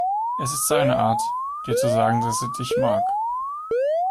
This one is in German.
Es ist seine Art, dir zu sagen, dass er dich mag.